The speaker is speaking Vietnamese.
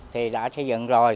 thì đã xây dựng rồi